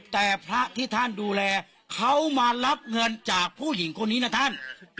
แต่พระที่ท่านดูแลเขามารับเงินจากผู้หญิงคนนี้นะท่าน